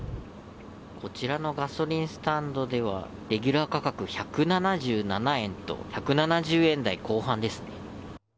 こちらのガソリンスタンドではレギュラー価格１７７円と１７０円台後半ですね。